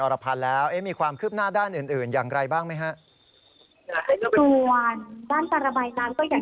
เพราะว่าวันนี้ทางพระครูบาก็ได้บอกว่าไม่ต้องห่วงตอนนี้ให้รออีกประมาณ๒๓วัน